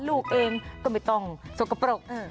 ลูกเองก็ไม่ต้องสกปรก